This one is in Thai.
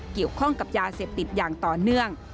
เกี่ยวข้องกับยาเสพติดอย่างต่อเนื่อง